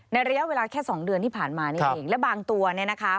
ระยะเวลาแค่สองเดือนที่ผ่านมานี่เองและบางตัวเนี่ยนะคะ